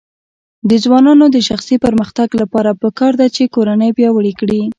د ځوانانو د شخصي پرمختګ لپاره پکار ده چې کورنۍ پیاوړې کړي.